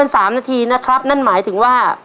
ตัวเลือดที่๓ม้าลายกับนกแก้วมาคอ